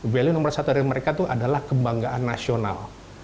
value nomor satu dari mereka tuh adalah kebanggaan nasional